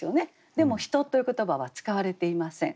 でも人という言葉は使われていません。